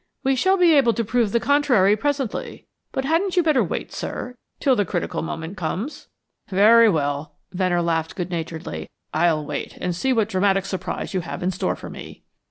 "We shall be able to prove the contrary presently. But hadn't you better wait, sir, till the critical moment comes?" "Very well," Venner laughed good naturedly. "I'll wait and see what dramatic surprise you have in store for me."